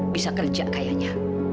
bisa kerja kayaknya